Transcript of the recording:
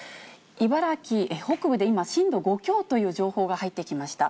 茨城北部で今、震度５強という情報が入ってきました。